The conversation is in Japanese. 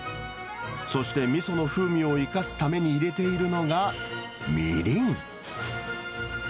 そしてみその風味を生かすために入れているのが、みりん。